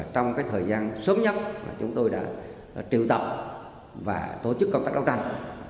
trong thời gian sớm nhất chúng tôi đã triệu tập và tổ chức công tác đấu tranh